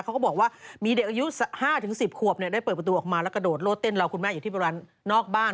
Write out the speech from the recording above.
เขาก็บอกว่ามีเด็กอายุ๕๑๐ขวบได้เปิดประตูออกมาแล้วกระโดดโลดเต้นเราคุณแม่อยู่ที่นอกบ้าน